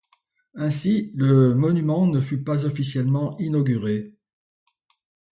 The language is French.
Ainsi le monument ne fut pas officiellement inauguré.